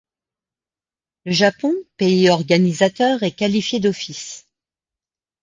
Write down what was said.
Le Japon, pays organisateur, est qualifié d’office.